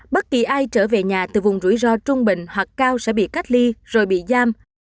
bất kỳ ai trở về nhà từ vùng rủi ro trung bình hoặc cao sẽ bị cách ly rồi bị giam